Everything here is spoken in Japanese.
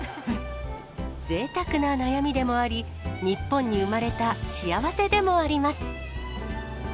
ぜいたくな悩みでもあり、日本に生まれた幸せでもあります。